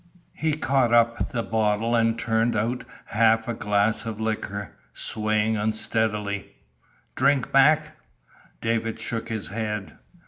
He caught up the bottle and turned out half a glass of liquor, swaying unsteadily: "Drink, Mac?" David shook his head.